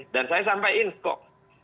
dan saya sampein kok